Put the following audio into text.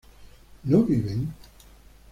¿no viven?